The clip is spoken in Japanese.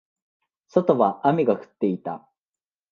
外は雨が降っていた。